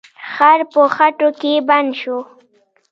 خر په خټو کې بند شو.